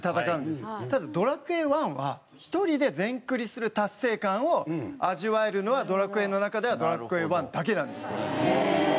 ただ『ドラクエ１』は１人で全クリする達成感を味わえるのは『ドラクエ』の中では『ドラクエ１』だけなんですこれ。